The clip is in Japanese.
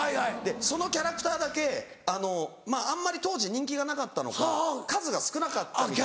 そのキャラクターだけあんまり当時人気がなかったのか数が少なかったみたいで。